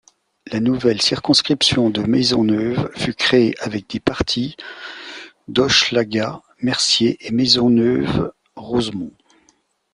La nouvelle circonscription de Maisonneuve fut créée avec des parties d'Hochelaga, Mercier et Maisonneuve—Rosemont.